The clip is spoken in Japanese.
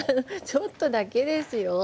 ちょっとだけですよ。